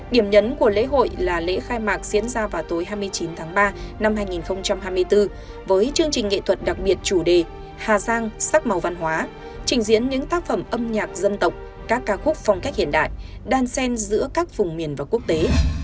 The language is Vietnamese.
điểm nhấn của lễ hội là lễ khai mạc diễn ra vào tối hai mươi chín tháng ba năm hai nghìn hai mươi bốn với chương trình nghệ thuật đặc biệt chủ đề hà giang sắc màu văn hóa trình diễn những tác phẩm âm nhạc dân tộc các ca khúc phong cách hiện đại đan sen giữa các vùng miền và quốc tế